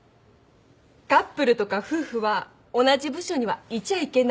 カップルとか夫婦は同じ部署にはいちゃいけないっていう。